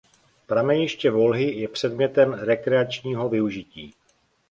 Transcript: Prameniště Volhy je předmětem rekreačního využití.